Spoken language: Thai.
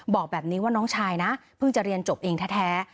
บอกแบบนี้ว่าน้องชายนะเพิ่งจะเรียนจบเองแท้